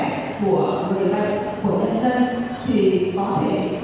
đến sức khỏe của người dân của người dân dân